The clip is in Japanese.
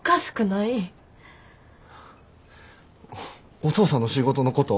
お父さんの仕事のこと